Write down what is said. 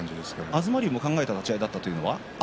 東龍の考えた立ち合いというのは。